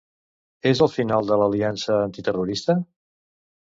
És el final de l'aliança antiterrorista?